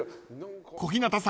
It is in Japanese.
［小日向さん